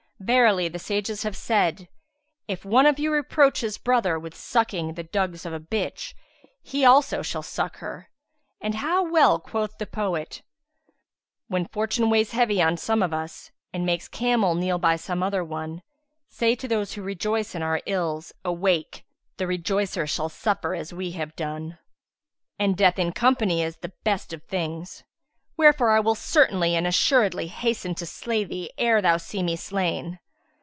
Verily, the sages have said, 'If one of you reproach his brother with sucking the dugs of a bitch, he also shall suck her.' And how well quoth the poet, 'When Fortune weighs heavy on some of us, * And makes camel kneel by some other one,[FN#158] Say to those who rejoice in our ills: —Awake! * The rejoicer shall suffer as we have done!' And death in company is the best of things;[FN#159] wherefore I will certainly and assuredly hasten to slay thee ere thou see me slain."